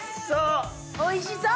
おいしそう！